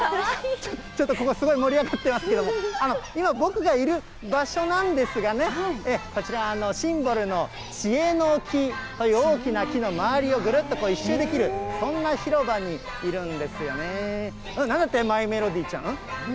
ちょっとここ、すごい盛り上がってますけれども、今、僕がいる場所なんですが、こちら、シンボルの知恵の木という大きな木の周りをぐるっと一周できる、そんな広場にいるんですよね。